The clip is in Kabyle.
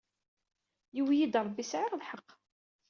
Yuwey-iyi-d Ṛebbi sɛiɣ lḥeqq.